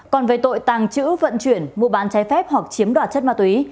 còn về tội tàng trữ vận chuyển mua bán trái phép hoặc chiếm đoạt chất ma túy